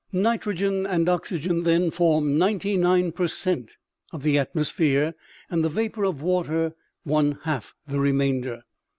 Nitrogen and oxygen, then, form ninety nine per cent, of the atmosphere, and the vapor of water one half the remainder.